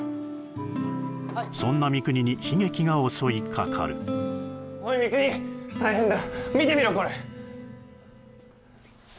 そんな三國に悲劇が襲いかかるおい三國大変だ！